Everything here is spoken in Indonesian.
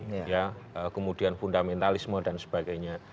merbanyak intoleransi ya kemudian fundamentalisme dan sebagainya